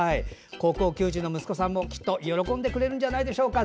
高校球児の息子さんもきっと喜んでくれるんじゃないでしょうか？